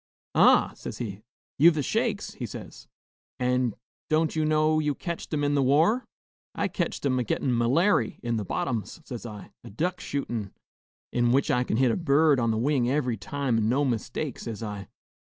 'Ah!' says he, 'you've the shakes?' he says; 'an' don't you know you ketched 'em in the war?' 'I ketched 'em a gettin' m'lairy in the bottoms,' says I, 'a duck shootin', in which I kin hit a bird on the wing every time an' no mistake,' says I.